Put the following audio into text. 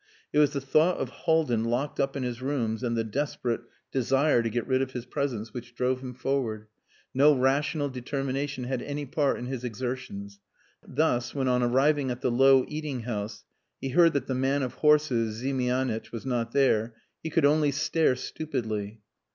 It was the thought of Haldin locked up in his rooms and the desperate desire to get rid of his presence which drove him forward. No rational determination had any part in his exertions. Thus, when on arriving at the low eating house he heard that the man of horses, Ziemianitch, was not there, he could only stare stupidly.